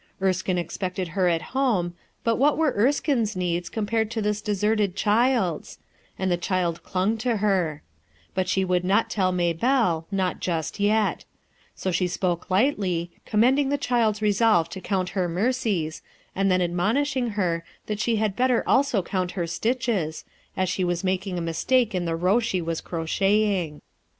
Erskine expected her at home but what were Engine's needs eompawd to' this deserted child's 7 and the child clung to her But she would not tell MaybeDe, not jllst ^ so she spoke lightly, commending the child's resolve to count her mercies, and then ad monishing her that she had better also count her stitches, as she was making a mistake in the row she was crocheting.